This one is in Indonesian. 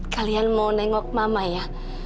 kalian mau nengok mama ya